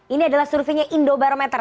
ini adalah surveinya indobarometer